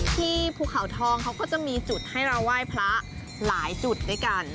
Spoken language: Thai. ภูเขาทองเขาก็จะมีจุดให้เราไหว้พระหลายจุดด้วยกัน